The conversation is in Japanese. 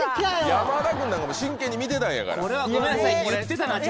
山田君なんかもう真剣に見てたんやから。